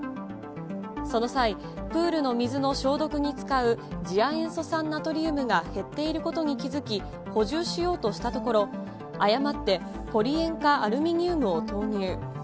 その際、プールの水の消毒に使う次亜塩素酸ナトリウムが減っていることに気付き、補充しようとしたところ、誤ってポリ塩化アルミニウムを投入。